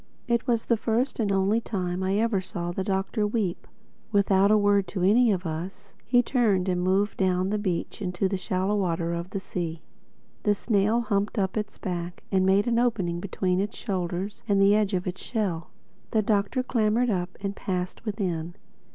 It was the first and only time I ever saw the Doctor weep. Without a word to any of us, he turned and moved down the beach into the shallow water of the sea. The snail humped up its back and made an opening between its shoulders and the edge of its shell. The Doctor clambered up and passed within.